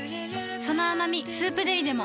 その甘み「スープデリ」でも